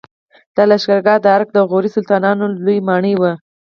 د لښکرګاه د ارک د غوري سلطانانو لوی ماڼۍ وه